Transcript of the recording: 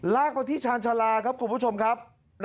ลากไปที่ชาญชาลาครับคุณผู้ชมครับ